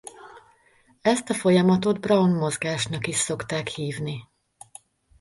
Ezt a folyamatot Brown-mozgásnak is szokták hívni.